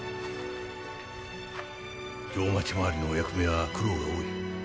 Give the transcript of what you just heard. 定町廻りのお役目は苦労が多い。